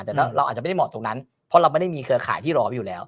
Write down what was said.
แต่เราอาจจะไม่ได้เหมาะตรงนั้นเพราะเราไม่ได้มีเครือข่ายที่รอไว้อยู่แล้ว